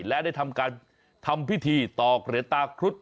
และได้ทำการทำพิธีตอกเหรียญตาครุฑ